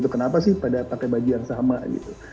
kenapa sih pada pakai baju yang sama gitu